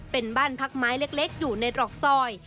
เป็นบ้านพักไม้เล็กอยู่ในตรอกซอย